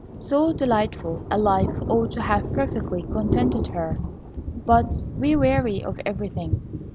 So delightful a life ought to have perfectly contented her, but we weary of everything.